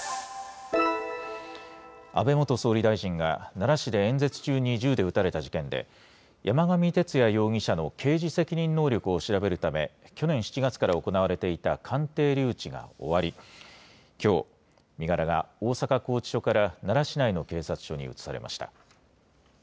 安倍元総理大臣が、奈良市で演説中に銃で撃たれた事件で、山上徹也容疑者の刑事責任能力を調べるため、去年７月から行われていた鑑定留置が終わり、きょう、身柄が大阪拘置所から奈良市内の警察署に移されました。